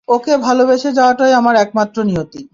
ওকে ভালোবেসে যাওয়াটাই আমার একমাত্র নিয়তি!